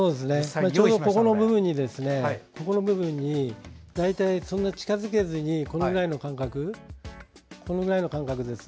ちょうどここの部分にそんなに近づけずにこのぐらいの間隔です。